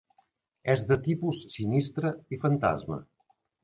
És de tipus sinistre i fantasma.